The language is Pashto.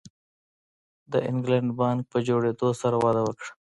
د انګلینډ بانک په جوړېدو سره وده وکړه.